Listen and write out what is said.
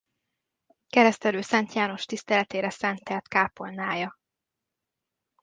Keresztelő Szent János tiszteletére szentelt kápolnája.